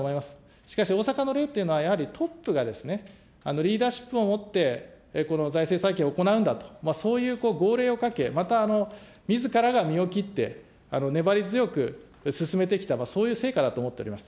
しかし大阪の例というのは、やはりトップがリーダーシップを持ってこの財政再建を行うんだと、そういう号令をかけ、またみずからが身を切って、粘り強く進めてきた、そういう成果だと思っております。